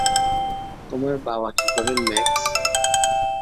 তোমার বাবা কি করেন, ম্যাক্স?